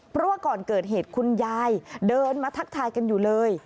เพราะว่าก่อนเกิดเหตุคุณยายเดินมาทักทายกันอยู่เลย